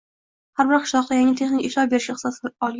– har bir qishloqda yerga texnik ishlov berishga ixtisos olgan